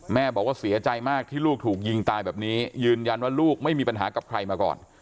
แม่บอกว่าเสียใจมากที่ลูกถูกยิงตายแบบนี้ยืนยันว่าลูกไม่มีปัญหากับใครมาก่อน